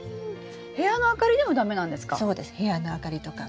部屋の明かりでも駄目なんですか？